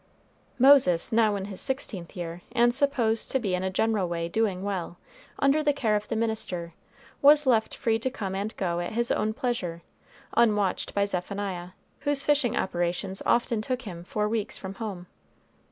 Moses, now in his sixteenth year, and supposed to be in a general way doing well, under the care of the minister, was left free to come and go at his own pleasure, unwatched by Zephaniah, whose fishing operations often took him for weeks from home.